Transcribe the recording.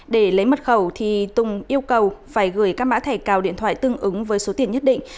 để lấy mật khẩu tùng yêu cầu phải gửi các mã thẻ cào điện thoại tương ứng với số tiền nhất định